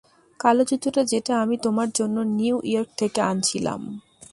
কালো জুতাটা যেটা আমি তোমার জন্য নিউ ইয়র্ক থেকে আনছিলাম।